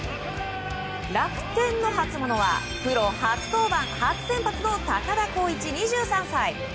楽天の初モノはプロ初登板、初先発の高田孝一、２３歳。